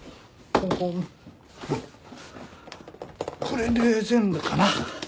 これで全部かな。